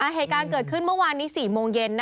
เหตุการณ์เกิดขึ้นเมื่อวานนี้๔โมงเย็น